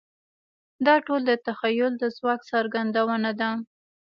دا ټول د تخیل د ځواک څرګندونه ده.